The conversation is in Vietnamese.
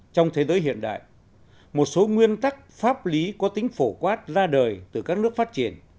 trong thế giới hiện đại một số nguyên tắc pháp lý có tính phổ quát ra đời từ các nước phát triển